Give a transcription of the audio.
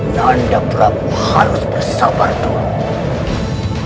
nanda prabu harus bersabar dulu